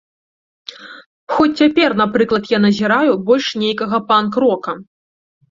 Хоць цяпер, напрыклад, я назіраю больш нейкага панк-рока.